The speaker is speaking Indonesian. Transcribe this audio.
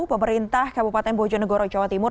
pemerintah kabupaten bojonegoro jawa timur